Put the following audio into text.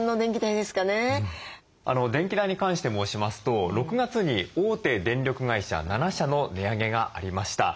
電気代に関して申しますと６月に大手電力会社７社の値上げがありました。